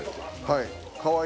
はい。